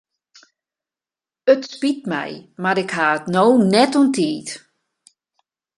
It spyt my mar ik ha it no net oan tiid.